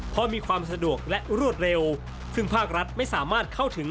เพราะมีความสะดวกและรวดเร็วซึ่งภาครัฐไม่สามารถเข้าถึง